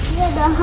eh dia ada hampa